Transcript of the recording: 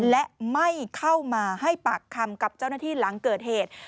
และไม่เข้ามาให้ปากคำกับเจ้าหน้าที่หลังเกิดเหตุ